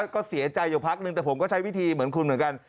ก็เสียใจอยู่พักนึงแต่ผมก็ใช้วิธีเหมือนคุณเหมือนกัน